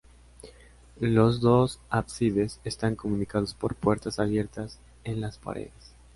Los dos ábsides están comunicados por puertas abiertas en las paredes.